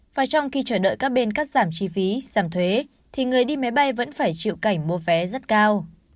và trong khi chờ đợi các bên cắt giảm chi phí giảm thuế thì người đi máy bay vẫn phải chịu cảnh mua vé rất cao